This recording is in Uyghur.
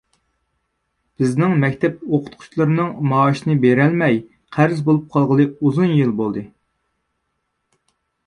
بىزنىڭ مەكتەپ ئوقۇتقۇچىلارنىڭ مائاشىنى بېرەلمەي، قەرز بولۇپ قالغىلى ئۇزۇن يىل بولدى.